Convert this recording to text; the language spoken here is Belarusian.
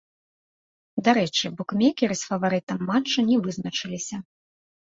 Дарэчы, букмекеры з фаварытам матча не вызначыліся.